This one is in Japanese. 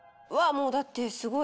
もうだってすごい。